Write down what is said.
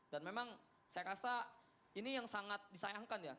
dan memang saya rasa ini yang sangat disayangkan ya